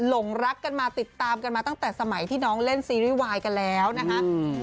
หลงรักกันมาติดตามกันมาตั้งแต่สมัยที่น้องเล่นซีรีส์วายกันแล้วนะคะ